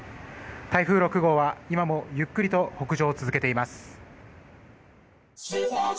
台風６号は今もゆっくりと北上を続けています。